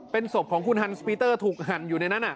เป็นศพของคุณฮันสปีเตอร์ถูกหั่นอยู่ในนั้น